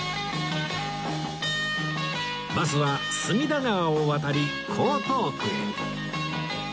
バスは隅田川を渡り江東区へ